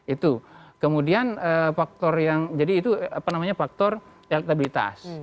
itu kemudian faktor yang jadi itu apa namanya faktor elektabilitas